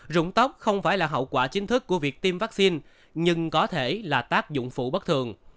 dụng tóc không phải là hậu quả chính thức của việc tiêm vaccine nhưng có thể là tác dụng phụ bất thường